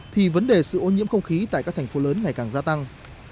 thì vấn đề sự ô nhiễm không khí tại các thành phố lớn ngày càng gia tăng